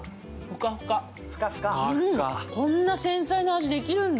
こんな繊細な味、できるんだ。